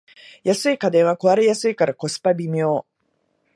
安い家電は壊れやすいからコスパ微妙